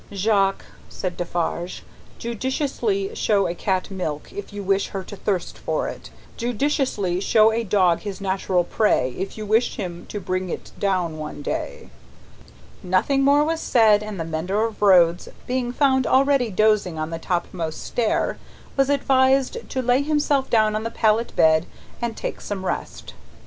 "Jacques," said Defarge; "judiciously show a cat milk, if you wish her to thirst for it. Judiciously show a dog his natural prey, if you wish him to bring it down one day." Nothing more was said, and the mender of roads, being found already dozing on the topmost stair, was advised to lay himself down on the pallet bed and take some rest.